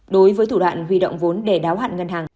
đối với thủ đoạn huy động vốn để đáo hạn ngân hàng